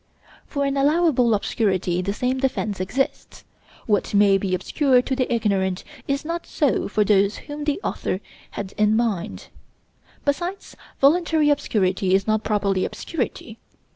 For an allowable obscurity the same defense exists. What may be obscure to the ignorant is not so for those whom the author had in mind. Besides, voluntary obscurity is not properly obscurity.